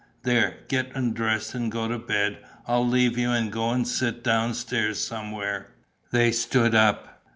There, get undressed and go to bed. I'll leave you and go and sit downstairs somewhere." They stood up.